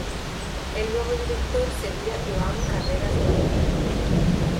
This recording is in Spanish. El nuevo director sería Joan Carreras Martí.